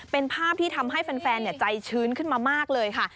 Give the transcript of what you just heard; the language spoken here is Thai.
เป็นภาพที่ทำให้แฟนใจชื้นขึ้นมามากเลยค่ะ